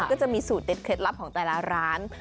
ก็จะมีสูตรเด็ดเคล็ดลับของแต่ละร้าน